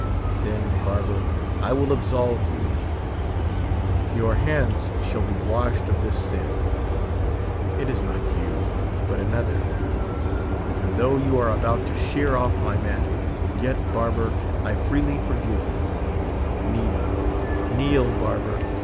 Then, barber, I will absolve you; your hands shall be washed of this sin; it is not you, but another; and though you are about to shear off my manhood, yet, barber, I freely forgive you; kneel, kneel, barber!